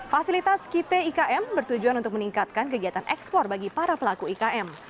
fasilitas kitikm bertujuan untuk meningkatkan kegiatan ekspor bagi para pelaku ikm